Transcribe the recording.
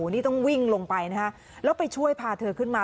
นี่ต้องวิ่งลงไปนะฮะแล้วไปช่วยพาเธอขึ้นมา